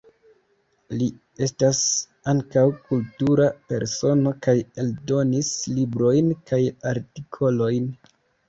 Li estas ankaŭ kultura persono kaj eldonis librojn kaj artikolojn.